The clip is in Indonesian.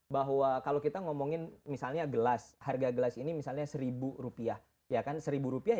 bahwa kalau kita ngomongin misalnya gelas harga gelas ini misalnya seribu rupiah ya kan seribu rupiah